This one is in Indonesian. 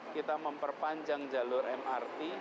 kita memperpanjang jalur mrt